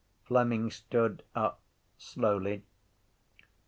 Fleming stood up slowly.